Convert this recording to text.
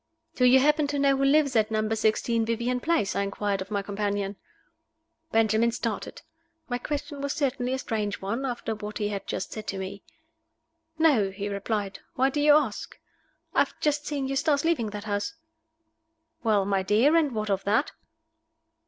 "Do you happen to know who lives at Number Sixteen Vivian Place?" I inquired of my companion. Benjamin started. My question was certainly a strange one, after what he had just said to me. "No," he replied. "Why do you ask?" "I have just seen Eustace leaving that house." "Well, my dear, and what of that?"